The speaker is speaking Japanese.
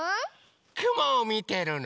くもをみてるの。